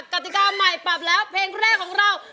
กติกาใหม่ปรับแล้วเพลงแรกของเรา